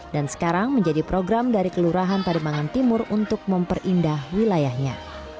dan sekarang menjadi program dari kelurahan pademangan timur untuk memperindah wilayahnya